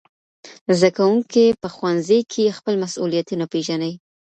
زدهکوونکي په ښوونځي کي خپل مسؤلیتونه پېژني.